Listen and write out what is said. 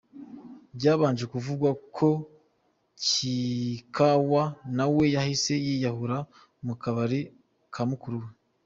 Byabanje kuvugwa ko Kikaawa nawe yahise yiyahurira mu kabari ka mukuru we.